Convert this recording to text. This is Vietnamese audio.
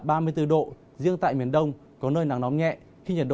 trời đất nước nhiệt độ cao nhất là ba mươi bốn độ riêng tại miền đông có nơi nắng nóng nhẹ